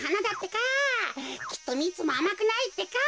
きっとミツもあまくないってか。